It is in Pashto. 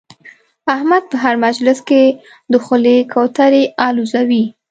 احمد په هر مجلس کې د خولې کوترې اولوزوي.